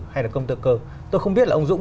hay là công tơ cơ tôi không biết là ông dũng